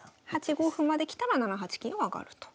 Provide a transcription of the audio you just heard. ８五歩まできたら７八金を上がると。